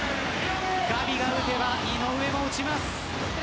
ガビが打てば、井上も打ちます。